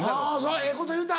ええこと言うた。